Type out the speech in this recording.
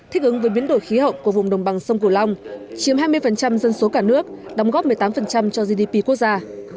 thích ứng với biến đổi khí hậu của vùng đồng bằng sông cửu long chiếm hai mươi dân số cả nước đóng góp một mươi tám cho gdp quốc gia